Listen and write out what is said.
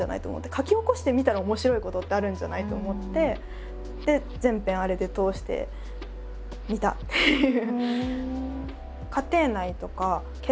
「書き起こしてみたら面白いことってあるんじゃない？」と思って全編あれで通してみたっていう。